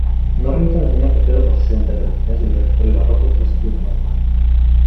Norrington es muy apreciado por sus interpretaciones del repertorio Barroco, Clásico y Romántico.